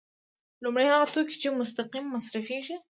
لومړی هغه توکي دي چې مستقیم مصرفیږي.